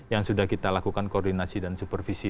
yang sudah kita lakukan koordinasi dan supervisi